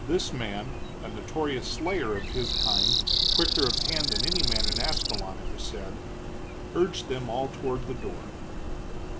This man, a notorious slayer of his kind, quicker of hand than any man in Ascalon, it was said, urged them all toward the door.